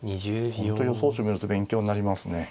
本当予想手見ると勉強になりますね。